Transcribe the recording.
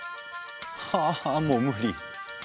ははあもう無理！